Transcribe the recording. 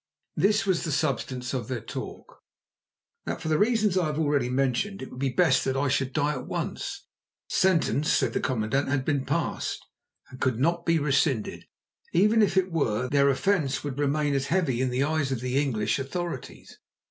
This was the substance of their talk; that for the reasons I have already mentioned it would be best that I should die at once. Sentence, said the commandant, had been passed, and could not be rescinded, since even if it were, their offence would remain as heavy in the eyes of the English authorities.